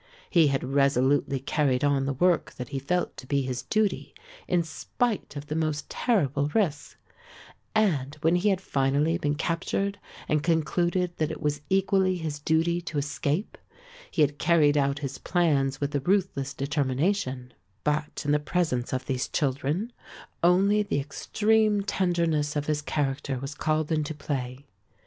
He had resolutely carried on the work that he felt to be his duty in spite of the most terrible risks and, when he had finally been captured and concluded that it was equally his duty to escape, he had carried out his plans with a ruthless determination; but, in the presence of these children, only the extreme tenderness of his character was called into play.